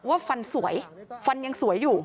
ว่าฟันสวยฟันยังสวยอยู่